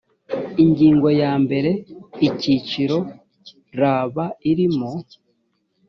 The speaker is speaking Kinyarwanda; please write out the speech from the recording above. ingingo ya mbere icyiciro rab irimo